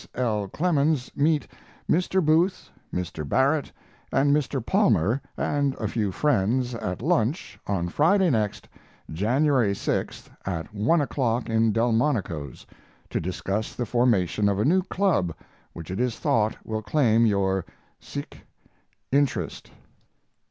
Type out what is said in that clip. L. Clemens meet Mr. Booth, Mr. Barrett, and Mr. Palmer and a few friends at lunch on Friday next, January 6th (at one o'clock in Delmonico's), to discuss the formation of a new club which it is thought will claim your interest.